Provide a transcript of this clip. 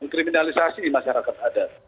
kriminalisasi masyarakat adat